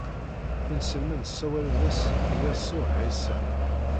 Inselmen ssawalen-as i Yasuɛ ɛissa.